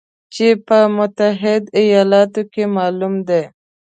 چې په متحده ایالاتو کې معمول دی